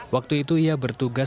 waktu itu ia bertugas